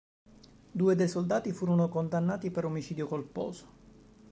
Due dei soldati furono condannati per omicidio colposo.